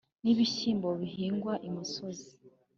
n’ibishyimbo bihingwa i musozi